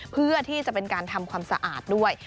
เพื่อที่จะเป็นการทำความสะอาดด้วย